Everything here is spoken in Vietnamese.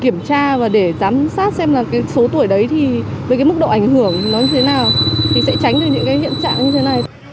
kiểm tra và để giám sát xem là cái số tuổi đấy thì với cái mức độ ảnh hưởng nó như thế nào thì sẽ tránh được những cái hiện trạng như thế này